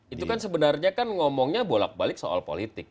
itu kan sebenarnya kan ngomongnya bolak balik soal politik